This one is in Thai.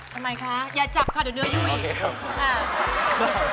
ทำไมคะอย่าจับค่ะเดี๋ยวเนื้อยุ้ย